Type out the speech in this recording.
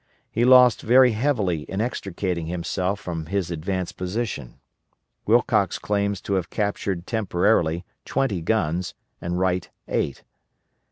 He lost very heavily in extricating himself from his advanced position. Wilcox claims to have captured temporarily twenty guns and Wright eight.